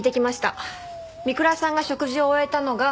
三倉さんが食事を終えたのが８時４０分頃。